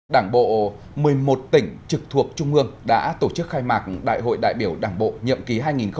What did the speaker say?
đảng bộ một mươi một tỉnh trực thuộc trung ương đã tổ chức khai mạc đại hội đại biểu đảng bộ nhậm ký hai nghìn hai mươi hai nghìn hai mươi năm